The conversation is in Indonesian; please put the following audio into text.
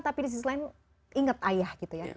tapi di sisi lain inget ayah gitu ya